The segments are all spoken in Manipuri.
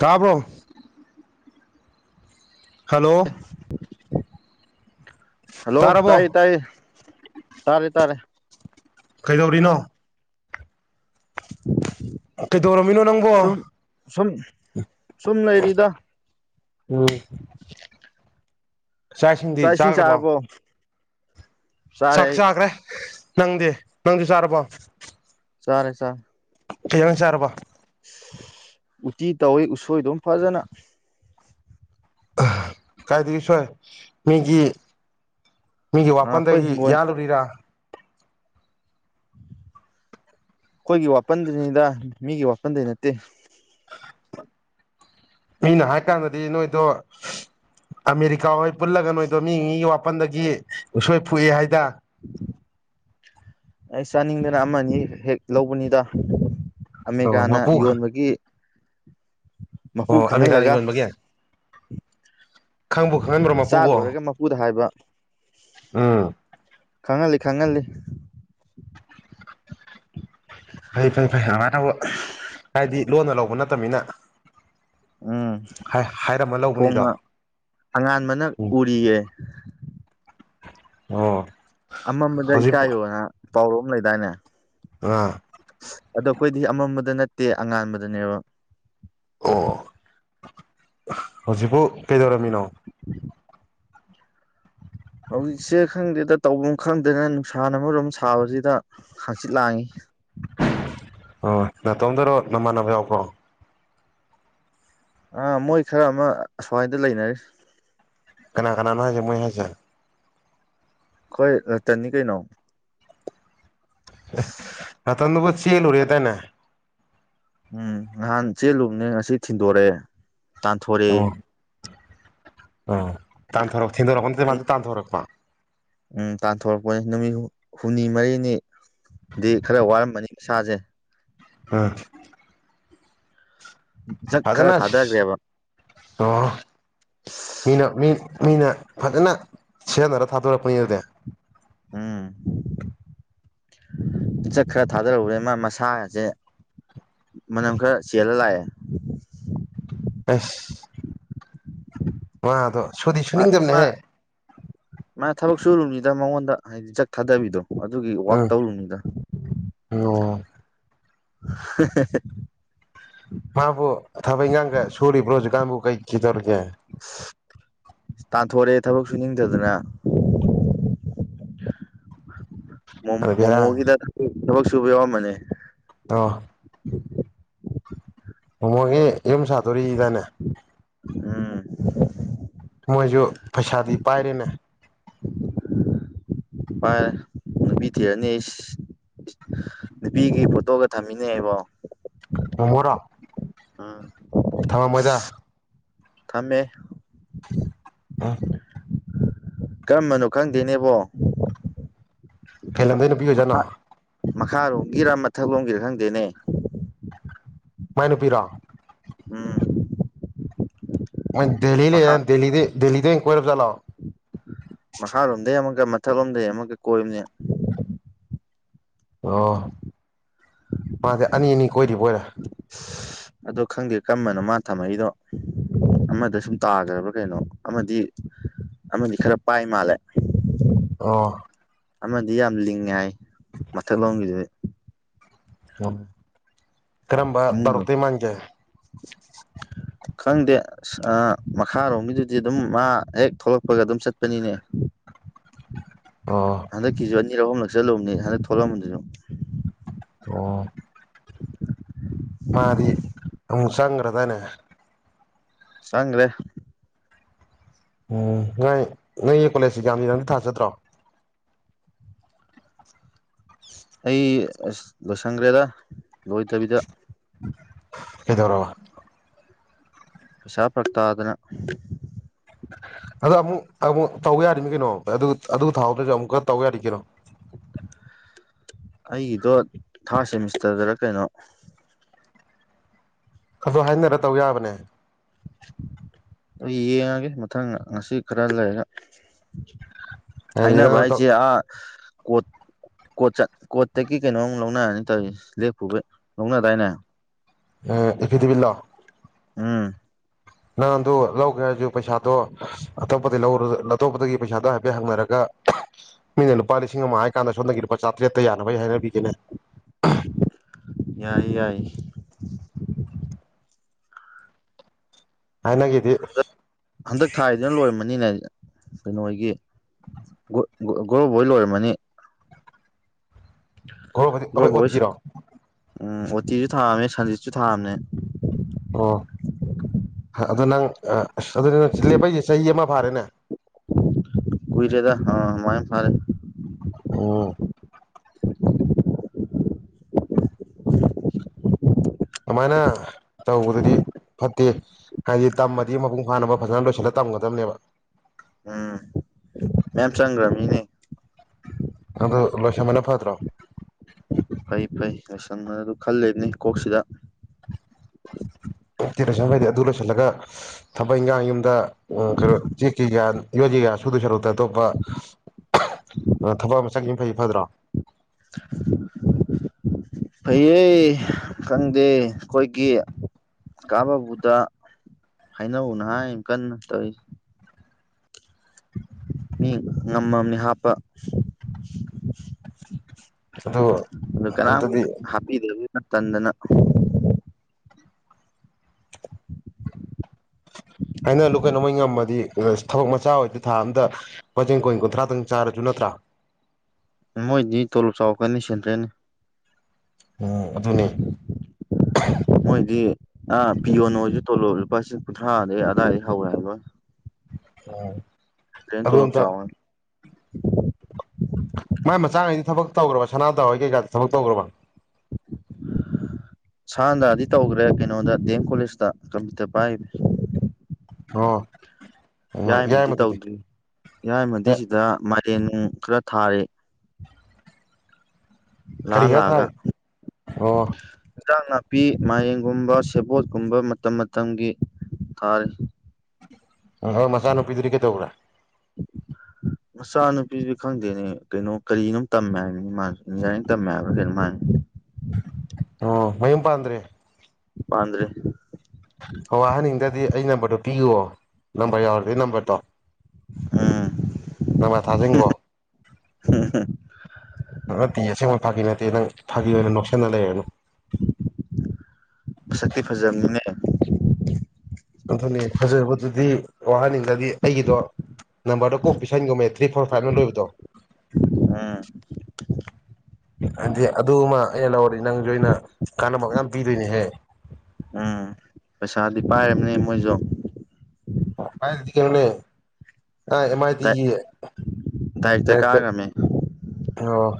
ꯇꯥꯕꯣ ꯍꯂꯣ ꯍꯜꯂꯣ ꯇꯥꯏ ꯇꯥꯔꯕꯣ ꯇꯥꯏ ꯇꯥꯔꯦ ꯇꯥꯔꯦ ꯀꯩꯗꯧꯔꯤꯅꯣ [inaudible] ꯀꯩꯗꯧꯣꯔꯝꯃꯤꯅꯣ ꯅꯪꯒꯣ ꯁꯨꯝ ꯁꯨꯝ ꯁꯨꯝꯅ ꯑꯦꯔꯤꯗ ꯎꯝ ꯆꯥꯛ ꯏꯁꯤꯡ ꯆꯥꯔꯕꯣ ꯆꯥꯔꯦ ꯁꯛ ꯑꯩ ꯆꯥꯈ꯭ꯔꯦ ꯅꯪꯗꯤ ꯅꯪꯁꯨ ꯆꯥꯔꯕꯣ ꯁꯔꯦ ꯁꯥ ꯊꯒꯡ ꯆꯥꯔꯕꯣ ꯎꯇꯤ ꯇꯧꯋꯤ ꯎꯁꯣꯏ ꯑꯗꯨꯝ ꯐꯖꯅ ꯀꯥꯏꯗꯒꯤꯗꯒꯤꯁꯣꯏ ꯃꯤꯒꯤ ꯃꯤꯒꯤ ꯑꯩꯈꯣꯏ ꯋꯥꯄꯜꯗꯒꯤ ꯍꯤꯡꯒꯣꯜ ꯌꯥꯔꯨꯔꯤꯔꯥ ꯑꯩꯈꯣꯏꯒꯤ ꯋꯥꯄꯟꯗꯅꯤꯗ ꯃꯤꯒꯤ ꯋꯥꯄꯟꯗꯩ ꯅꯠꯇꯦ ꯑꯩꯅ ꯍꯥꯏ ꯀꯥꯟꯗꯗꯤ ꯅꯣꯏꯗꯣ ꯑꯃꯦꯔꯤꯀꯥ ꯍꯣꯏ ꯄꯨꯜꯂꯒ ꯅꯣꯏꯗꯣ ꯃꯤ ꯃꯤꯒꯤ ꯋꯥꯄꯜꯗꯒꯤ ꯎꯁꯣꯏ ꯐꯨꯏ ꯍꯥꯏꯗ ꯑꯩ ꯆꯥꯅꯤꯡꯗꯅ ꯑꯃꯅꯤ ꯑ ꯍꯦꯛ ꯂꯧꯕꯅꯤꯗ ꯑꯣ ꯑꯃꯦꯔꯤꯀꯥꯅ ꯃꯄꯨ ꯌꯣꯟꯕꯒꯤ ꯃꯄꯨ ꯑꯣ ꯑꯃꯦꯔꯤꯀꯥꯅ ꯈꯪꯍꯜꯂꯒ ꯌꯣꯟꯕꯒꯤ ꯈꯪꯕꯨ ꯈꯪꯍꯟꯕ꯭ꯔꯣ ꯆꯥ ꯂꯣꯏꯔꯒ ꯃꯄꯨꯗ ꯍꯥꯏꯕ ꯑꯥ ꯈꯪꯍꯜꯂꯤ ꯈꯪꯍꯜꯂꯤ ꯐꯩ ꯐꯩ ꯐꯩ ꯑꯗꯨꯃꯥꯏꯅ ꯇꯧꯕ ꯍꯥꯏꯗꯤ ꯂꯣꯟꯅ ꯂꯧꯕ ꯅꯠꯇꯅꯤꯅ ꯎꯝ ꯂꯧꯕꯅꯤꯗꯣ ꯐꯣꯡꯅ ꯑꯉꯥꯟꯕꯅ ꯎꯝ ꯎꯔꯤꯌꯦꯦ ꯑꯣꯝ ꯑꯃꯝꯕꯗ ꯏꯀꯥꯏꯌꯣꯅ ꯄꯥꯎꯔꯛꯑ ꯑꯃ ꯂꯩꯗꯥꯏꯅꯦ ꯑꯥ ꯑꯗꯣ ꯑꯩꯈꯣꯏꯗꯤ ꯑꯃꯝꯕꯗ ꯅꯠꯇꯦ ꯑꯉꯥꯟꯕꯗꯅꯦꯕ ꯑꯣ ꯍꯧꯖꯤꯛꯄꯨ ꯀꯩꯗꯧꯔꯝꯃꯤꯅꯣ ꯍꯧꯖꯤꯛꯁꯦ ꯈꯪꯗꯦꯗ ꯇꯧꯐꯝ ꯈꯪꯗꯗꯅ ꯅꯨꯡꯁꯥ ꯑꯃꯔꯣꯝ ꯁꯥꯕꯁꯤꯗ ꯍꯥꯡꯆꯤꯠ ꯂꯥꯡꯏꯤ ꯑꯣ ꯅꯅꯥꯇꯣꯝꯗꯔꯣ ꯅꯃꯥꯟꯅꯕ ꯌꯥꯎꯕ꯭ꯔꯣ ꯑꯥ ꯃꯣꯏ ꯈꯔ ꯑꯃ ꯑꯁ꯭ꯋꯥꯏꯗ ꯂꯩꯅꯔꯤ ꯅꯥꯒꯥꯅ ꯍꯥꯏꯖ ꯃꯩ ꯍꯥꯏꯖꯦ ꯀꯣꯏ ꯇꯅꯤ ꯀꯩ ꯅꯣ ꯑꯇꯗꯨꯕꯁꯤ ꯂꯨꯔꯤꯦ ꯇꯥꯏꯅ ꯎꯝ ꯅꯍꯥꯟ ꯆꯦꯜꯂꯨꯝꯅꯤ ꯉꯁꯤ ꯊꯤꯟꯗꯣꯔꯑꯦ ꯇꯥꯟꯊꯣꯔꯛꯑꯦ ꯑꯣ ꯇꯥꯟꯊꯣꯔꯛꯄ ꯊꯤꯟꯗꯣꯔꯛꯄ ꯅꯠꯇ ꯃꯥꯗꯨ ꯇꯥꯟꯊꯣꯔꯛꯄ ꯎꯝ ꯇꯥꯟꯊꯣꯔꯛꯄꯅꯤ ꯅꯨꯃꯤꯠ ꯍꯨꯝꯅꯤ ꯃꯔꯤꯅꯤ ꯗꯤ ꯈꯔ ꯋꯥꯔꯝꯕꯅꯤ ꯏꯁꯥꯁꯦ ꯎꯝ ꯖꯛ ꯈꯔ ꯑꯗꯨꯗꯅ ꯊꯥꯗꯈ꯭ꯔꯦꯕ ꯑꯣ ꯃꯤꯅ ꯃꯤ ꯃꯤꯅ ꯐꯖꯅ ꯁꯤꯖꯤꯟꯅꯔ ꯊꯥꯗꯣꯔꯛꯄꯅꯤ ꯑꯗꯨꯗꯤ ꯑꯝ ꯄꯆꯠ ꯈꯔ ꯊꯥꯗꯔꯧꯨꯔꯦ ꯃꯥ ꯃꯁꯥꯁꯦ ꯃꯅꯝ ꯈꯔ ꯆꯦꯜꯂ ꯂꯥꯛꯑꯦ ꯑꯥꯁ ꯃꯥꯗꯣ ꯃꯥ ꯃꯥ ꯁꯨꯗꯤꯁꯨꯨꯅꯤꯡꯗ꯭ꯔꯅꯦꯍꯦ ꯃꯥ ꯊꯕꯛ ꯁꯨꯔꯨꯕꯅꯤꯗ ꯃꯉꯣꯟꯗ ꯍꯥꯏꯗꯤ ꯖ ꯊꯥꯗꯕꯤꯗꯣ ꯑꯗꯨꯒꯤ ꯋꯥꯛ ꯎꯝ ꯇꯧꯔꯨꯅꯤꯗ ꯑꯣ [unintelligible] ꯃꯥꯕꯨ ꯊꯥꯕꯩ ꯉꯥꯡꯒ ꯁꯔꯤꯕ꯭ꯔꯣꯖꯒꯕꯨ ꯀꯩꯈꯤꯗꯣꯔꯔꯒꯦ ꯇꯥꯟꯊꯦ ꯊꯕꯛꯁꯨꯨ ꯅꯤꯡꯡꯊꯗꯅ [inaudible] ꯑꯗ ꯕꯦꯔꯥꯅꯤ ꯃꯣꯃꯣꯒꯤꯗꯣꯏ ꯊꯕꯛ ꯁꯨꯕ ꯌꯥꯎꯔꯃꯅꯦ ꯑ ꯃꯃꯣꯡꯉꯦ ꯌ ꯁꯥꯠꯇꯣꯔꯤꯗꯅꯦ ꯑꯝ ꯄꯔꯅꯦ ꯄ ꯅꯨꯕꯤꯊꯌꯥꯁ ꯅꯨꯄꯤꯒꯤ ꯐꯣꯇꯣꯒ ꯊꯝꯃꯤꯅꯦ ꯑꯩꯕꯣ ꯃꯣꯃꯣꯔꯣ ꯊꯝꯃꯝꯃꯣꯏꯗ ꯊꯃꯦ ꯑ ꯀꯔꯝꯕꯅꯣ ꯈꯪꯗꯦꯅꯦꯕꯣ ꯐꯩꯂꯝꯂꯝꯗꯅ ꯅꯨꯄꯤ ꯑꯣꯏꯖꯅ ꯃꯈꯥꯔꯣꯝꯒꯤꯔ ꯃꯊꯛꯂꯣꯝꯒꯤꯔꯥ ꯈꯪꯗꯦꯅꯦ ꯃꯥꯏ ꯅꯨꯄꯤꯔꯣ ꯎꯝ ꯗ ꯃꯈꯥ ꯗꯗꯤ ꯏꯟꯋꯥꯏꯔ ꯆ ꯃꯈꯥꯂꯣꯝꯗꯩ ꯑꯃꯨꯛꯀ ꯃꯊꯛꯂꯣꯝꯗꯩ ꯑꯃꯨꯛꯀ ꯀꯣꯏꯕꯅꯦ ꯑ ꯃꯥꯗꯤꯦ ꯑꯅꯤ ꯑꯅꯤ ꯀꯣꯏꯔꯤꯕꯣꯏꯔꯦ ꯑꯗꯣ ꯈꯪꯗꯦ ꯀꯔꯝꯕꯅꯣ ꯃꯥ ꯊꯝꯃꯏꯗꯣ ꯑꯃꯗ ꯁꯨꯝ ꯇꯥꯒꯗꯕꯥ ꯀꯩꯅꯣ ꯑꯃꯗꯤ ꯑꯃ ꯈꯔ ꯄꯥꯏ ꯃꯥꯥꯂꯦ ꯑ ꯑꯃꯗꯤ ꯌꯥꯝ ꯂꯤꯡꯉꯦ ꯍꯥꯏ ꯃꯊꯛ ꯂꯣꯝꯒꯤꯗꯨ ꯎ ꯀꯔꯝꯕ ꯏꯃꯨꯡꯗꯣ ꯔꯛꯇꯤ ꯃꯥꯡꯒꯦ ꯈꯪꯗꯦ ꯑ ꯃꯈꯥꯔꯣꯝꯒꯤꯗꯨꯗꯤ ꯑꯗꯨꯝ ꯃꯥ ꯍꯦꯛ ꯊꯣꯛꯂꯛꯄꯒ ꯑꯗꯨꯝ ꯆꯠꯄꯅꯤꯅꯦ [inaudible] ꯑꯣ ꯍꯟꯗꯛꯀꯤꯁꯨ ꯑꯅꯤꯔ ꯑꯍꯨꯝꯂꯛ ꯆꯜꯂꯨꯕꯅꯤ ꯍꯟꯗꯛ ꯊꯣꯛꯂꯝꯕꯗꯨꯁꯨ ꯑꯣ ꯃꯥꯗꯤ ꯎ ꯁꯒ꯭ꯔꯗꯅꯦ ꯆꯥꯡꯂꯦ ꯎꯝ ꯅꯥꯏ ꯅꯪꯒꯤ ꯀꯣꯂꯦꯖꯁꯤ ꯌꯥꯝꯅꯤ ꯅꯪꯇ ꯊꯥ ꯆꯠꯇ꯭ꯔꯣ ꯑꯩ ꯂꯣꯏꯁꯪꯈ꯭ꯔꯦꯗ ꯂꯣꯏꯗꯕꯤꯗ ꯍꯗꯣꯔꯔꯕ ꯄꯁꯥꯄ꯭ꯔꯊꯥꯗꯅ ꯑꯗꯣ ꯑꯃꯨꯛ ꯑꯃꯨꯛ ꯇꯧꯕ ꯌꯥꯔꯤꯃꯤꯅꯦ ꯀꯩꯅꯣ ꯑꯗꯨ ꯑꯗꯨ ꯊꯥꯍꯧꯗ꯭ꯔꯁꯨ ꯑꯃꯨꯛꯀ ꯇꯧ ꯌꯥꯔꯤ ꯀꯩꯅꯣ ꯑꯩꯒꯤꯗꯣ ꯊꯥꯔꯠ ꯁꯦꯃꯤꯁꯇꯔꯗꯥꯔ ꯀꯩꯅꯣ ꯑꯗꯨ ꯍꯥꯏꯅꯔꯒ ꯇꯧꯕ ꯌꯥꯕꯅꯦ ꯑꯗꯨ ꯌꯦꯡꯉꯥꯒꯦ ꯃꯊꯪ ꯉꯁꯤ ꯈꯔ ꯂꯩꯔꯒ ꯍꯥꯏꯗꯤ ꯍꯥꯏꯅꯕ ꯅꯪꯅ ꯇꯧ ꯍꯥꯏꯁꯦ ꯑꯥ ꯀꯣꯠ ꯀꯣꯠ ꯆꯠ ꯀꯣꯠꯇꯒꯤ ꯀꯩꯅꯣꯝꯨꯛ ꯂꯧꯅꯔꯅꯤ ꯇꯧꯔꯤꯁꯦ ꯂꯦꯞꯄꯨꯕꯩ ꯂꯧꯅꯗꯥꯏꯅꯦ ꯑ ꯑꯦꯐꯤꯗꯦꯚꯤꯠꯂꯣ ꯎꯝ ꯅꯪ ꯑꯗꯨ ꯂꯧꯒꯦ ꯍꯥꯏꯁꯨ ꯄꯩꯁꯥꯗꯣ ꯑꯇꯣꯞꯄꯗꯒꯤ ꯂꯧꯔꯁꯨ ꯑꯇꯣꯞꯄꯗꯒꯤ ꯄꯩꯁꯥꯗꯣ ꯍꯥꯏꯐꯦꯠ ꯍꯪꯅꯔꯒ ꯃꯤꯅ ꯂꯨꯄꯥ ꯂꯤꯁꯤꯡ ꯑꯃ ꯍꯥꯏ ꯀꯥꯟꯗ ꯁꯣꯝꯗꯒꯤ ꯂꯨꯄꯥ ꯆꯥꯇ꯭ꯔꯦꯠ ꯇ ꯌꯥꯅꯕ ꯑꯩ ꯍꯥꯏꯅꯕꯤꯒꯦꯅꯦ ꯌꯥꯏꯌꯦ ꯌꯥꯏꯌꯦ ꯍꯥꯏꯅꯒꯤꯗꯤ ꯍꯟꯗꯛ ꯍꯟꯗꯛ ꯊꯥꯏꯁꯤꯅ ꯂꯣꯏꯔꯃꯅꯤꯅꯦ ꯀꯩꯅꯣ ꯍꯣꯏꯒꯤ ꯒꯣꯔꯣꯕꯥ ꯍꯣꯏ ꯂꯣꯏꯔꯝꯃꯅꯤ ꯒꯣꯔꯣꯕꯥꯗꯤ ꯑꯩꯈꯣꯏ ꯒꯣꯔꯣꯕ ꯍꯣꯏ ꯑꯣꯇꯤꯔꯣ ꯎꯝ ꯑꯣꯇꯤꯁꯨ ꯊꯥꯕꯅꯦ ꯁꯟꯖꯤꯠꯁꯨ ꯊꯥꯕꯅꯦ ꯑꯣ ꯑꯗꯨ ꯅꯪ ꯑꯁ ꯑꯗꯨꯗꯤ ꯅꯪ ꯂꯦꯞꯄꯛꯏꯁꯦ ꯆꯍꯤ ꯑꯃ ꯐꯥꯔꯦꯅꯦ ꯀꯨꯏꯔꯦꯗꯥ ꯑ ꯑꯗꯨꯃꯥꯏ ꯐꯥꯔꯦ ꯑꯣ ꯁꯨꯃꯥꯏꯅ ꯇꯧꯕꯗꯨꯗꯤ ꯐꯠꯇꯦ ꯍꯥꯏꯗꯤ ꯇꯝꯃꯗꯤ ꯃꯄꯨꯡ ꯐꯥꯅꯕ ꯐꯖꯅ ꯂꯣꯏꯁꯤꯜꯂꯒ ꯇꯝꯒꯗꯕꯅꯦꯕ ꯎꯝ ꯃꯌꯥꯝ ꯆꯪꯈ꯭ꯔꯃꯤ ꯅꯦ ꯑꯗꯣ ꯂꯣꯏꯁꯟꯕꯅ ꯐꯠꯇ꯭ꯔꯣ ꯐꯩ ꯐꯩ ꯂꯣꯏꯁꯟꯕꯥꯗꯨ ꯈꯜꯂꯤꯕꯅꯤ ꯀꯣꯛꯁꯤꯗ ꯑꯣꯇꯤ ꯂꯣꯏꯁꯤꯟꯕ ꯂꯣꯏꯔꯥꯗꯤ ꯑꯗꯨ ꯂꯣꯏꯁꯤꯜꯂꯒ ꯊꯕꯛ ꯏꯪꯈꯥꯡ ꯌꯨꯝꯗ ꯀꯩꯅꯣ ꯆꯦꯛ ꯀꯩꯀꯥ ꯌꯣꯠ ꯀꯩꯀꯥ ꯆꯍꯤ ꯀꯌꯥ ꯁꯨꯗꯣꯏ ꯁꯥꯔꯨꯛꯇꯩ ꯑꯇꯣꯞꯄ ꯊꯕꯛ ꯑꯃ ꯆꯠꯈꯤꯕꯅ ꯐꯩ ꯐꯠꯇ꯭ꯔꯣ [unintelligible] ꯐꯩꯌꯦ ꯈꯪꯗꯦ ꯑꯩꯈꯣꯏꯒꯤ ꯀꯥ ꯕꯥꯕꯨꯗ ꯍꯥꯏꯅꯧꯅ ꯍꯥꯏꯔꯤꯃꯦ ꯀꯟꯅ ꯇꯧꯔꯤꯁꯦ ꯃꯤ ꯉꯝ ꯃꯥꯃꯦ ꯍꯥꯞꯄ ꯑꯗꯨ ꯑꯗꯨ ꯀꯅꯥꯝꯒꯤ ꯑꯝꯇꯗꯤ ꯍꯥꯞꯄꯤꯗꯕꯁꯤꯗ ꯇꯟꯗꯅ [unintelligible] ꯍꯥꯏꯅ ꯍꯜꯂꯨ ꯀꯩꯅꯣ ꯃꯣꯏ ꯉꯝꯃꯗꯤ ꯑꯁ ꯊꯕꯛ ꯃꯆꯥ ꯑꯣꯏꯔꯁꯨ ꯊꯥ ꯑꯃꯗ ꯂꯨꯄꯥ ꯂꯤꯁꯤꯡ ꯀꯨꯟ ꯀꯨꯟꯊ꯭ꯔꯥꯗꯪ ꯆꯥꯔꯁꯨ ꯅꯠꯇ꯭ꯔꯥ [unintelligible] ꯃꯣꯏꯗꯤ ꯇꯣꯂꯣꯞ ꯆꯥꯎꯔꯛꯀꯅꯤ ꯁꯦꯟꯇ꯭ꯔꯦꯟꯅꯦ ꯎꯝ ꯑꯗꯨꯅꯦ ꯃꯣꯏꯗꯤ ꯑꯥ ꯄꯤꯌꯣꯟ ꯑꯣꯏꯔꯁꯨ ꯇꯣꯂꯣꯕ ꯂꯨꯄꯥ ꯂꯤꯁꯤꯡ ꯀꯨꯟꯊ꯭ꯔꯥ ꯗꯩ ꯑꯗꯥꯏꯗꯩ ꯍꯧꯋꯦ ꯍꯥꯏꯕꯅꯦ ꯎꯝ ꯁꯦꯟꯇ꯭ꯔꯦꯟꯗꯤ ꯇꯣꯂꯣꯕ ꯆꯥꯎꯕꯅꯦ ꯃꯥꯏ ꯃꯆꯥꯉꯩꯗꯤ ꯊꯕꯛ ꯇꯧꯈ꯭ꯔꯕ ꯁꯅꯥꯗꯥ ꯍꯣꯏ ꯀꯩꯀꯥꯗꯤ ꯊꯕꯛ ꯇꯧꯈ꯭ꯔꯕ ꯁꯥꯗ꯭ꯔꯗꯤ ꯇꯧꯈ꯭ꯔꯦ ꯀꯩꯅꯣꯗ ꯗꯤ ꯑꯦꯝ ꯀꯣꯂꯦꯖꯇ ꯀꯝꯄ꯭ꯌꯨꯇꯔ ꯄꯥꯏꯔꯤꯕꯅꯦ ꯑꯣ ꯌꯥꯏꯃꯗꯤ ꯌꯥꯏꯃꯗꯨꯗꯤ ꯇꯧꯗ꯭ꯔꯤ ꯌꯥꯏꯃꯗꯤ ꯁꯤꯗ ꯃꯥꯏꯔꯦꯟ ꯅꯨꯡ ꯈ꯭ꯔ ꯊꯥꯔꯤ ꯂꯥꯛꯑ ꯈꯥꯔꯤꯔ ꯊꯥꯔꯦ ꯑꯣ ꯑꯦꯟꯖꯥꯡ ꯅꯥꯄꯤ ꯃꯥꯏꯔꯦꯟꯒꯨꯝꯕ ꯁꯦꯕꯣꯠꯀꯨꯝꯕ ꯃꯇꯝ ꯃꯇꯝꯒꯤ ꯊꯥꯔꯤ ꯎꯝ ꯍꯣꯏ ꯃꯆꯥꯅꯨꯄꯤꯗꯨꯗꯤ ꯀꯩꯗꯧꯕꯒ꯭ꯔꯦ ꯃꯆꯥ ꯅꯨꯨꯄꯤꯗꯨꯗꯤ ꯈꯪꯗꯦꯅꯦ ꯀꯩꯅꯣ ꯀꯔꯤꯅꯣꯝ ꯇꯝꯃꯦ ꯍꯥꯏꯕꯅꯤꯅꯦ ꯃꯥꯁꯨ ꯏꯟꯖꯤꯅꯤꯌꯥꯔꯤꯡ ꯇꯝꯃꯦ ꯍꯥꯏꯕ꯭ꯔꯥ ꯀꯩꯅꯣꯝꯃꯥ ꯍꯥꯏꯕꯅꯦ ꯑꯣ ꯃꯌꯨꯝ ꯄꯥꯟꯗ꯭ꯔꯦ ꯄꯥꯟꯗ꯭ꯔꯦ ꯍꯍꯟꯅꯤꯡꯗ꯭ꯔꯗꯤ ꯑꯩ ꯅꯝꯕꯔꯗꯨꯣ ꯄꯤꯌꯑꯣ ꯅꯝꯕꯔ ꯌꯥꯎꯔꯗꯣꯏ ꯅꯝꯕꯔꯗꯣ ꯎꯝ ꯅꯃꯥ ꯊꯥꯖꯁꯤꯡꯒꯣ ꯇꯤ ꯐꯥꯒꯤꯇꯩ ꯅꯪ ꯐꯥꯒꯤꯈꯤꯕ ꯑꯣꯏꯅ ꯑꯣꯏꯅ ꯅꯣꯁ ꯅꯂ ꯍꯥꯏꯨ ꯁꯛꯇꯤ ꯐꯖꯕꯅꯤꯅꯦ ꯑꯗꯨꯗꯤ ꯋꯥꯍꯅꯤꯡ ꯑꯗꯨꯗꯤ ꯑꯩꯒꯤꯗꯣ ꯅꯝꯕꯔꯗꯣ ꯀꯣꯛ ꯄꯤꯁꯟꯒꯨꯝꯃꯦ ꯊ꯭ꯔꯤ ꯐꯣꯔ ꯐꯥꯏꯚꯅ ꯂꯣꯏꯕꯗꯣ ꯎꯝ ꯍꯥꯏꯗꯤ ꯑꯗꯨꯃ ꯑꯩꯅ ꯂꯧꯔꯗꯤ ꯅꯪꯁꯨ ꯑꯩꯅ ꯀꯥꯟꯅꯕ ꯌꯥꯝ ꯄꯤꯗꯣꯏꯅꯦꯍꯦ ꯎꯝ ꯄꯩꯁꯥꯗꯤ ꯄꯥꯏꯝꯅꯦ ꯃꯣꯏꯁꯨ ꯀꯥꯏꯗꯤ ꯀ ꯃꯅꯦ ꯑ ꯑꯦꯝ ꯑꯥꯏ ꯗꯥꯏ ꯇꯤꯒꯤ ꯗꯥꯏꯔꯦꯛꯇ ꯗꯥꯏꯔꯦꯛꯇꯔ ꯀꯥꯈ꯭ꯔꯕꯅꯦ ꯑꯣ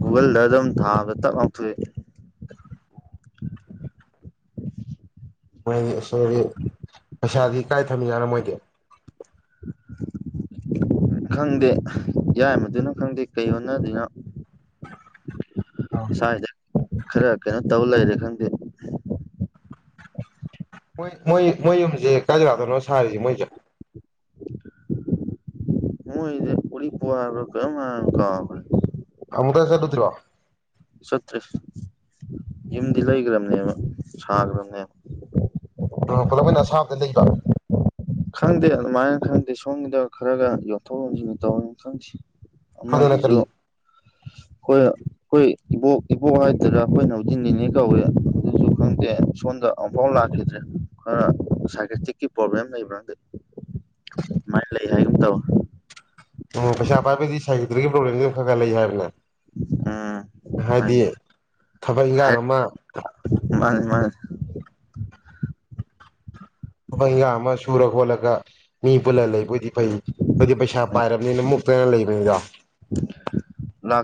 ꯒꯨꯒꯜꯗ ꯑꯗꯨꯝ ꯊꯥꯕꯗ ꯇꯞ ꯉꯥꯎꯊꯣꯛꯏ ꯎ ꯃꯣꯏꯗꯤ ꯁꯣꯒꯤ ꯄꯩꯁꯥꯗꯤ ꯀꯥꯏ ꯊꯝꯃꯤ ꯌꯥꯥꯠꯅꯣ ꯃꯣꯏꯗꯤ [unintelligible] ꯈꯪꯗꯦ ꯌꯥꯏ ꯃꯗꯨꯅ ꯈꯪꯗꯦ ꯀꯩ ꯍꯣꯅꯗꯅꯣ ꯁꯖ ꯈꯔ ꯀꯩꯅꯣ ꯇꯧ ꯂꯩꯔꯦ ꯈꯪꯗꯦ ꯃꯣꯏ ꯃꯣꯏ ꯃꯣꯏ ꯌꯨꯝꯁꯦ ꯀꯥꯏꯗꯒꯥꯗꯅꯣ ꯁꯥꯔꯤꯁꯦ ꯃꯣꯏꯁꯦ ꯣꯏ ꯎꯔꯤ ꯄꯒ ꯀ ꯀꯒ ꯇꯃꯛ ꯀ ꯁꯦꯗꯧ ꯊꯔꯤꯕ ꯁꯠꯇꯤꯁ ꯌꯨꯝꯗꯤ ꯂꯩꯈ꯭ꯔꯕꯅꯦꯕ ꯁꯥꯈ꯭ꯔꯕꯅꯦꯕ ꯄꯨꯂꯞ ꯑꯣꯏꯅ ꯑꯁꯥꯝꯗ ꯂꯩꯕ ꯈꯪꯗꯦ ꯑꯗꯨꯃꯥꯏꯅ ꯈꯪꯗꯦ ꯁꯣꯝꯒꯤꯗ ꯈꯔꯒ ꯌꯣꯟꯊꯣꯛ ꯌꯣꯟꯁꯤꯟ ꯇꯧꯔꯅ ꯈꯪꯁꯤꯦ ꯍꯗꯂ ꯇꯔꯤ ꯑꯩꯈꯣꯏ ꯑꯩꯈꯣꯏ ꯏꯕꯣꯛ ꯏꯕꯣꯛ ꯍꯥꯏꯗꯣꯏꯔꯥ ꯑꯩꯈꯣꯏꯅ ꯍꯧꯖꯤꯟꯅꯤꯅꯦ ꯀꯧꯋꯦ ꯑꯗꯨꯁꯨ ꯈꯪꯗꯦ ꯁꯣꯝꯗ ꯑꯃꯨꯛꯐꯥꯎ ꯂꯥꯛꯈꯤꯗ꯭ꯔꯦ ꯑꯩꯈꯣꯏꯅꯇꯤꯛ ꯄ꯭ꯔꯣꯕ꯭ꯂꯦꯝ ꯂꯩꯕ꯭ꯔꯥ ꯑꯗꯨꯃꯥꯏꯅ ꯂꯩ ꯍꯥꯏꯒꯨꯝ ꯇꯧ ꯑꯣ ꯄꯩꯁꯥ ꯄꯥꯏꯕꯗꯒꯤ ꯁꯥꯏꯍꯤꯗ꯭ꯔꯤꯒꯤ ꯄ꯭ꯔꯣꯕ꯭ꯂꯦꯝꯗꯤ ꯈꯔ ꯈꯔ ꯂꯩ ꯍꯥꯏꯕꯅꯦ ꯎꯝ ꯍꯥꯏꯗꯤ ꯊꯕꯛ ꯏꯟꯈꯥꯡ ꯑꯃ ꯃꯥꯅꯤ ꯃꯥꯅꯤ ꯃꯩ ꯌꯥꯝ ꯑꯃ ꯁꯨꯔ ꯈꯣꯠꯂꯒ ꯃꯤ ꯄꯨꯜꯂ ꯂꯩꯕ ꯑ‌ꯣꯏꯗꯤ ꯐꯩ ꯍꯥꯏꯗꯤ ꯄꯩꯁꯥ ꯄꯥꯏꯔꯕꯅꯤꯅ ꯃꯨꯛꯇꯅ ꯂꯩꯕꯅꯤꯗꯣ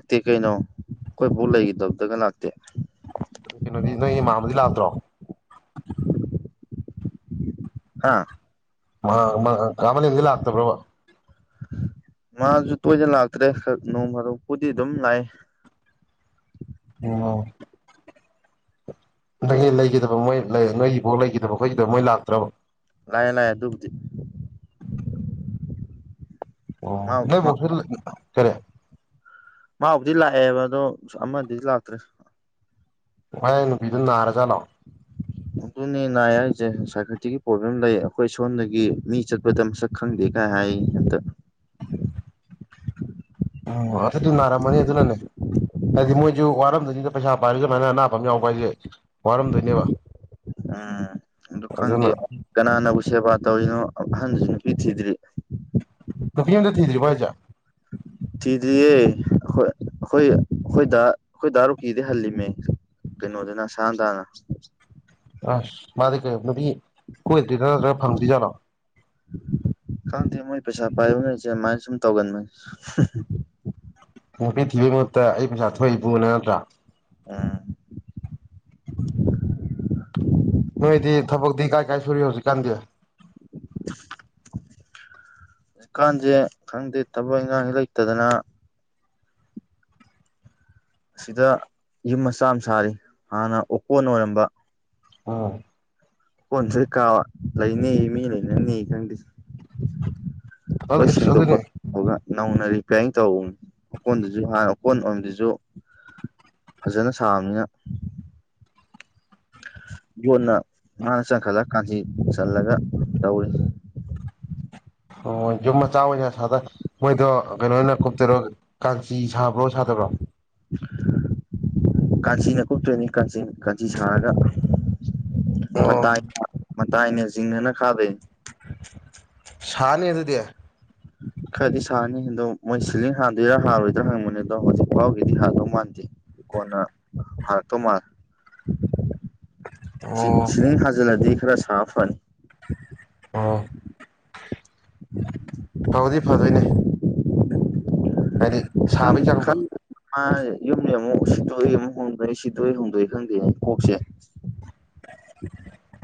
ꯅꯠꯇꯦ ꯀꯩꯅꯣ ꯑꯩꯈꯣꯏ ꯄꯨ ꯂꯩꯈꯤꯗꯕꯗꯒ ꯂꯥꯛꯇꯦ ꯀꯩꯅꯣꯗꯤ ꯅꯣꯏ ꯃꯥꯝꯃꯥ ꯗꯤ ꯂꯥꯛꯇ꯭ꯔꯣ ꯍꯥꯥ ꯑꯥ ꯑꯥ ꯀꯥ ꯃꯂ‌ꯦꯝꯗꯤ ꯂꯥꯛꯇꯕ꯭ꯔꯕꯥ ꯃꯥꯁꯨ ꯇꯣꯏꯅ ꯂꯥꯛꯇ꯭ꯔꯦ ꯈꯛ ꯅꯣꯡ ꯐꯗ‌ꯣꯛꯄꯨꯗꯤ ꯑꯗꯨꯝ ꯂꯥꯛꯏ ꯑꯣ ꯅ‌ꯣꯏꯒꯤ ꯂꯩꯈꯤꯗꯕ ꯃꯣꯏ ꯂꯩ ꯅꯣꯏꯒꯤ ꯏꯕ‌ꯣꯛ ꯂꯩꯈꯤꯗꯕ ꯈꯣꯠꯒꯤꯗꯕ ꯃꯣꯏ ꯂꯥꯛꯇ꯭ꯔꯕ ꯂꯥꯛꯑꯦ ꯂꯥꯛꯑꯦ ꯑꯗꯨꯕꯨꯗꯤ ꯑꯣ ꯃꯥ ꯅꯣꯏ ꯕꯣꯛꯇꯤ [unintelligible] ꯀꯔꯤ ꯃꯥꯕꯨꯗꯤ ꯂꯥꯛꯑꯦꯕ ꯑꯗꯣ ꯑꯁ ꯑꯃꯗꯨꯗꯤ ꯂꯥꯛꯇ꯭ꯔꯦ ꯃꯥꯢ ꯅꯨꯄꯤꯗꯣ ꯅꯥꯔꯖꯥꯠꯂꯣ ꯑꯗꯨꯅꯤ ꯅꯥꯏ ꯍꯥꯏꯁꯦ ꯁꯥꯏꯀꯔꯇꯤꯒꯤ ꯄ꯭ꯔꯣꯕ꯭ꯂꯦꯝ ꯂꯩ ꯑꯩꯈꯣꯏ ꯁꯣꯝꯗꯒꯤ ꯃꯤ ꯆꯠꯄꯗ ꯃꯁꯛ ꯈꯪꯗꯦ ꯗꯥꯏ ꯍꯥꯏꯌꯦ ꯍꯟꯇꯛ ꯑꯣ ꯑꯗꯨꯗꯤ ꯅꯔꯝꯃꯅꯤ ꯑꯗꯨꯅꯅꯦ ꯍꯥꯏꯗꯤ ꯃꯣꯏꯁꯨ ꯋꯥꯔꯝꯗꯨꯏꯅꯤꯗ ꯄꯩꯁꯥ ꯄꯥꯏꯔꯁꯨ ꯑꯗꯨꯃꯥꯏꯅ ꯑꯅꯥꯕ ꯑꯃ ꯌꯥꯎꯕ ꯍꯥꯏꯁꯦ ꯋꯥꯔꯝꯗꯣꯏꯅꯦꯕ ꯎꯝ ꯑꯗꯨ ꯈꯪꯗꯦ ꯑꯗꯨꯅ ꯀꯅꯥꯅꯕꯨ ꯁꯦꯕꯥ ꯇꯧꯔꯤꯅꯣ ꯑꯍꯟꯗꯨꯁꯨ ꯅꯨꯄꯤ ꯊꯤꯗ꯭ꯔꯤ ꯅꯨꯄꯤ ꯑꯝꯇ ꯊꯤꯗ꯭ꯔꯤꯕꯣ ꯍꯥꯏꯁꯦ ꯊꯤꯗ꯭ꯔꯤꯌꯦ ꯑꯩꯈꯣꯏ ꯑꯩꯈꯣꯏ ꯑꯩꯈꯣꯏ ꯗꯥ ꯑꯩꯈꯣꯏ ꯗꯥ ꯔꯣꯛꯀꯤ ꯀꯤꯗꯩꯩ ꯍꯜꯂꯤꯝꯅꯦ ꯀꯩꯅꯣꯗꯨꯅ ꯁꯥꯟꯇꯅ ꯑꯁ ꯃꯥꯗꯤ ꯀꯩ ꯅꯨꯄꯤ ꯀꯣꯏꯗꯔ꯭ꯤꯔꯣ ꯅꯠꯇꯔꯒ ꯐꯪꯗꯔ꯭ꯤ ꯖꯥꯠꯂꯣ [unintelligible] -ꯠꯇꯦ ꯃꯣꯏ ꯄꯩꯁꯥ ꯄꯥꯏꯕꯅꯁꯦ ꯑꯗꯨꯃꯥꯏ ꯁꯨꯝ ꯇꯧꯒꯟꯕꯟ ꯅꯨꯄꯤ ꯊꯤꯕꯒꯤ ꯃꯍꯨꯠꯇ ꯑꯩ ꯄꯩꯁꯥ ꯊꯣꯛꯏ ꯕꯨꯅ ꯅꯠꯇ꯭ꯔꯥ ꯎꯝ ꯀꯥꯏꯗ ꯁꯨꯔꯤ ꯍꯧꯖꯤꯛ ꯀꯥꯟꯗꯤ ꯍꯧꯖꯤꯛꯀꯥꯟꯁꯦ ꯈꯪꯗꯦ ꯊꯕꯛ ꯏꯟꯈꯥꯡ ꯂꯩꯇꯗꯅ ꯑꯁꯤꯗ ꯌꯨꯝ ꯃꯆꯥ ꯑꯃ ꯁꯥꯔꯤ ꯍꯥꯟꯅ ꯑꯣꯀꯣꯟ ꯑꯣꯏꯔꯝꯕ ꯑꯣ ꯑꯣꯛꯀꯣꯟꯁꯨ ꯍꯦꯛ ꯀꯥꯕ ꯂꯩꯅꯤ ꯃꯤ ꯂꯩꯅꯅꯤ ꯈꯪꯗꯦ ꯂꯣꯏ [unintelligible] ꯑꯁ ꯁꯦꯡꯗꯣꯛ ꯑꯗꯨꯅꯦ ꯈꯣꯠꯇꯣꯛꯑꯒ ꯅꯧꯅ ꯔꯤꯄꯂꯥꯏꯌꯤꯡ ꯇꯧꯕꯅ ꯑꯣꯛꯀꯣꯟꯗꯨꯁꯨ ꯍꯥꯟ ꯑꯣꯛꯀꯣꯟ ꯑꯣꯏꯔꯝꯕꯗꯨꯁꯨ ꯐꯖꯅ ꯁꯥꯕꯅꯤꯅ ꯌꯣꯠꯅ ꯃꯥꯅ ꯆꯪꯈꯠꯂ ꯀꯥꯡꯁꯤ ꯆꯜꯂꯒ ꯇꯧꯔꯤ ꯑꯣ ꯌꯨꯝ ꯃꯆꯥ ꯑꯣꯏꯅ ꯁꯥꯗ ꯃꯣꯏꯗꯣ ꯀꯩꯅꯣꯅ ꯀꯨꯞꯇꯨꯏꯔꯣ ꯀꯥꯟꯆꯤ ꯁꯥꯕ꯭ꯔꯣ ꯁꯥꯗ ꯕꯔꯣ ꯀꯥꯟꯆꯤꯅ ꯀꯨꯞꯇꯣꯏꯅꯤ ꯀꯥꯟꯆꯤ ꯀꯥꯟꯆꯤ ꯁꯥꯔꯒ ꯑꯣ ꯃꯇꯥꯏ ꯃꯇꯥꯏꯅꯦ ꯖꯤꯡꯒꯅ ꯈꯥꯗꯨꯏꯅꯦ ꯁꯥꯅꯤ ꯑꯗꯨꯗꯤ ꯈꯔꯗꯤ ꯁꯥꯅꯤ ꯑꯗꯣ ꯃꯣꯏ ꯁꯤꯂꯤꯡ ꯍꯥꯟꯗꯨꯏꯔꯥ ꯍꯥꯟꯔꯣꯏꯗ꯭ꯔꯥ ꯍꯪꯕꯅꯤ ꯑꯗꯣ ꯍꯧꯖꯤꯛꯐꯥꯎꯒꯤꯗꯤ ꯍꯥꯟꯗꯧ ꯃꯥꯟꯗꯦ ꯀꯣꯟꯅ ꯍꯥꯟꯂꯛꯇꯧ ꯃꯥꯜꯂꯦ [inaudible] ꯁꯤ ꯑꯣ ꯁꯤꯂꯤꯡ ꯊꯖꯤꯜꯂꯗꯤ ꯈꯔ ꯁꯥꯕꯥ ꯐꯅꯤ ꯐꯥꯕꯗꯤ ꯐꯗꯣꯏꯅꯦ ꯍꯥꯏꯗꯤ ꯈꯪ ꯁꯥꯕꯩ ꯆꯥꯡꯗꯣ ꯈꯪ ꯃꯥ ꯌꯨꯝꯅꯤ ꯑꯃꯨꯛ ꯁꯤꯠꯇꯣꯏ ꯑꯃꯨꯛ ꯍꯣꯡꯗꯣꯏ ꯁꯤꯠꯇꯣꯏ ꯍꯣꯡꯗꯣꯛꯏ ꯈꯪꯗꯦ ꯀꯣꯛꯁꯦ [unintelligible]